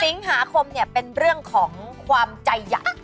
สิงหาคมเนี่ยเป็นเรื่องของความใจใหญ่